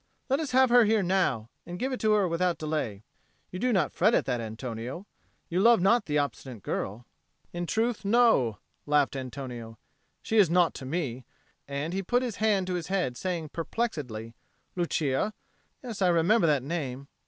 Let us have her here now, and give it to her without delay. You do not fret at that, Antonio? You love not the obstinate girl?" "In truth, no," laughed Antonio. "She is naught to me!" And he put his hand to his head, saying perplexedly, "Lucia? Yes, I remember that name.